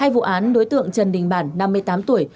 hai vụ án đối tượng trần đình bản năm mươi tám tuổi